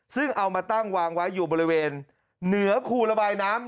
ซึ่งเอามาตั้งวางไว้อยู่บริเวณเหนือคูระบายน้ำ